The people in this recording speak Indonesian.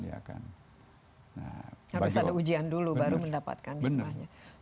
harus ada ujian dulu baru mendapatkan himbahnya